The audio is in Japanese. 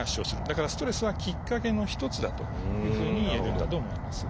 だからストレスはきっかけの一つだというふうにいえるんだと思います。